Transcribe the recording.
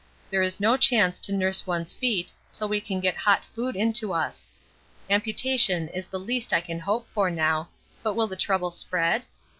There is no chance to nurse one's feet till we can get hot food into us. Amputation is the least I can hope for now, but will the trouble spread?